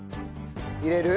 入れる？